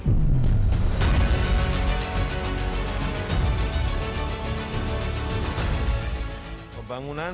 bumn pembangunan pabrik lg